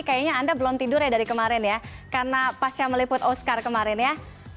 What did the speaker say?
kayaknya anda belum tidur ya dari kemarin ya karena pasca meliput oscar kemarin ya